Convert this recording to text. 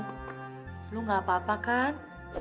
lu gak apa apa kan